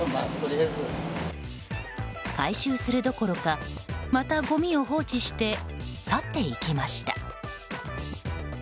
回収するどころか、またごみを放置して去っていきました。